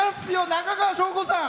中川翔子さん。